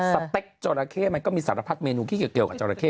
สเต็กจอราเข้มันก็มีสารพัดเมนูที่เกี่ยวกับจราเข้